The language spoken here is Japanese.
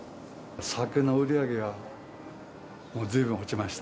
酒の売り上げがずいぶん落ちました。